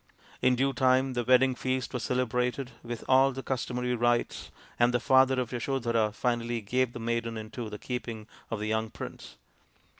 In due time the wedding feast was celebrated with all the customary rites, and the father of Yasodhara finally gave the maiden into the keeping of the young prince.